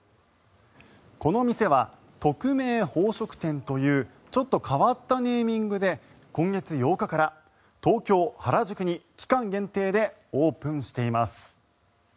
この店は匿名宝飾店というちょっと変わったネーミングで今月８日から東京・原宿に期間限定でオープンしています。